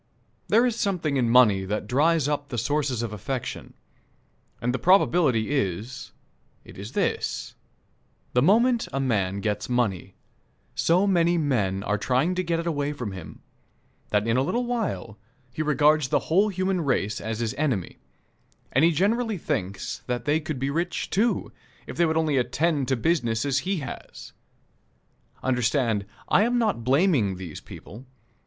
There is something in money that dries up the sources of affection, and the probability is, it is this: the moment a man gets money, so many men are trying to get it away from him that in a little while he regards the whole human race as his enemy, and he generally thinks that they could be rich, too, if they would only attend to business as he has. Understand, I am not blaming these people.